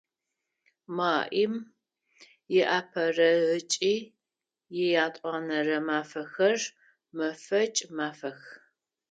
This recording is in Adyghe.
Маим иапэрэ ыкӏи иятӏонэрэ мафэхэр мэфэкӏ мафэх.